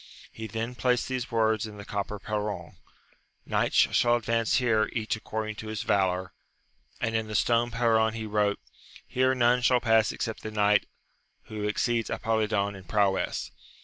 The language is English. He then placed these words in the copper perron : Knights shall advance here, each according to his valour ; and in the stone perron, he wrote : Here none shall pass except the knight who exceeds Apolidon in prowess.